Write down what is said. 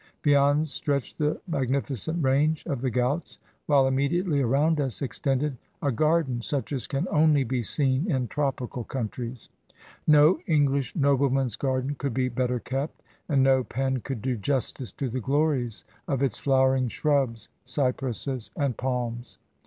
Beyond stretched the magnificent range of the Ghauts, while immediately around us extended a gar den, such as can only be seen in tropical countries. No 236 THE TOWERS OF SILENCE English nobleman's garden could be better kept, and no pen could do justice to the glories of its flowering shrubs, cypresses, and palms.